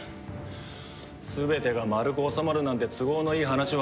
全てが丸く収まるなんて都合のいい話はねえんだよ。